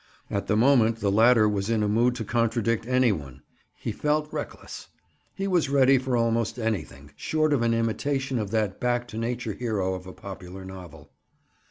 At the moment the latter was in a mood to contradict any one. He felt reckless. He was ready for almost anything—short of an imitation of that back to nature hero of a popular novel.